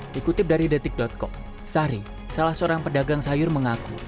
dikutip dari detik com sari salah seorang pedagang sayur mengaku